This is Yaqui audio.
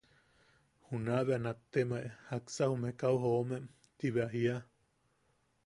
Junaʼa bea nattemae: “¿Jaksa jume kau jomem?” ti bea jiia.